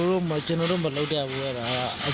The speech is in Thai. แต่ว่าน่าจะมีผู้ใหญ่มาทำให้อยู่ค่ะ